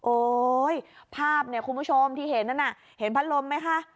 โอ๊ยภาพเนี่ยคุณผู้ชมที่เห็นนั่นน่ะเห็นพัดลมไหมคะ